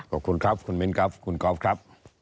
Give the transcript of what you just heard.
ขอบคุณครับคุณมิ้นครับคุณก๊อฟครับ